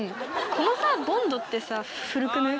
このさボンドってさ古くない？